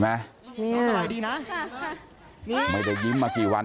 เพื่อนบ้านเจ้าหน้าที่อำรวจกู้ภัย